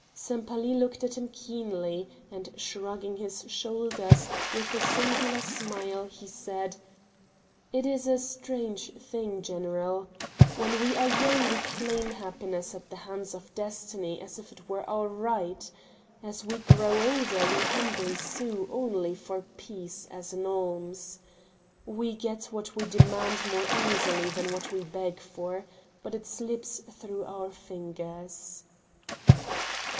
Sempaly looked at him keenly, and shrugging his shoulders, with a singular smile, he said: "It is a strange thing, General when we are young we claim happiness at the hands of Destiny, as if it were our right; as we grow older we humbly sue, only for peace, as an alms. We get what we demand more easily than what we beg for but it slips through our fingers."